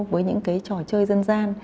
với những cái trò chơi dân gian